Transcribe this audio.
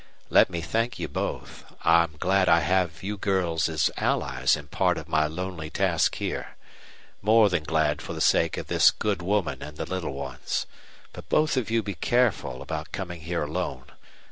"Let me thank you both. I'm glad I have you girls as allies in part of my lonely task here. More than glad for the sake of this good woman and the little ones. But both of you be careful about coming here alone.